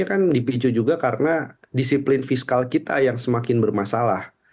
ini kan dipicu juga karena disiplin fiskal kita yang semakin bermasalah